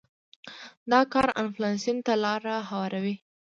دا کار انفلاسیون ته لار هواروي.